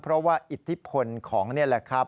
เพราะว่าอิทธิพลของนี่แหละครับ